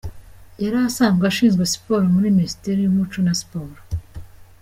Yari asanzwe ashinzwe siporo muri Minisiteri y’Umuco na Siporo.